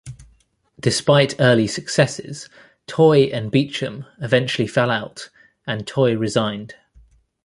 Despite early successes, Toye and Beecham eventually fell out, and Toye resigned.